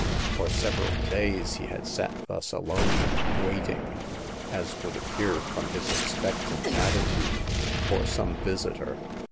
For several days he had sat thus alone, waiting— as would appear from his expectant at titude—for some visitor.